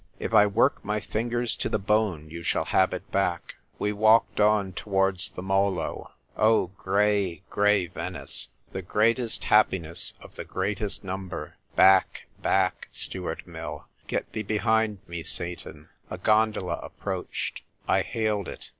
" If I work my fingers to the bone you shall have it back." We walked on towards the Molo. O grey, grey Venice ! The greatest happiness of the greatest number. Back, back, Stuart Mill ! Get thee behind me, Satan ! A gondola approached. I hailed it.